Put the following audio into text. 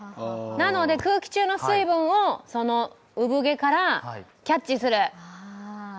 なので空気中の水分を産毛からキャッチする！